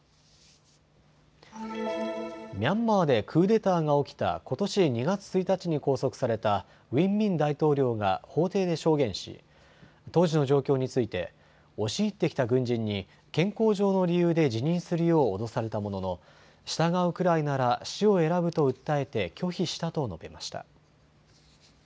ミャンマーでクーデターが起きたことし２月１日に拘束されたウィン・ミン大統領が法廷で証言し当時の状況について押し入ってきた軍人に健康上の理由で辞任するよう脅されたものの従うくらいなら死を選ぶと訴えて拒否したと述べました。